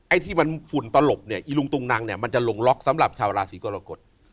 ไอ้ที่มันฝุ่นตลบเนี่ยอีลุงตุงนังเนี่ยมันจะลงล็อกสำหรับชาวราศีกรกฎ